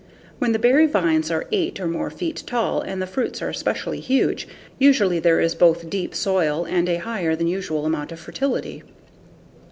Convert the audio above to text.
When the berry vines are 8 or more feet tall and the fruits are especially huge, usually there is both deep, loose soil and a higher than usual amount of fertility.